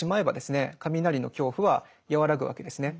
雷の恐怖は和らぐわけですね。